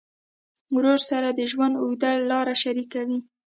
ورور سره د ژوند اوږده لار شریکه وي.